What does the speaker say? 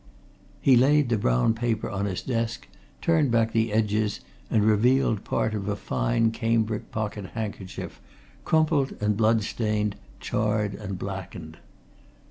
He laid the brown paper on his desk, turned back the edges, and revealed part of a fine cambric pocket handkerchief, crumpled and blood stained, charred and blackened.